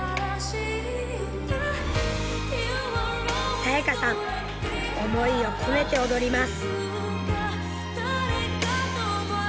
彩夏さん思いを込めて踊ります。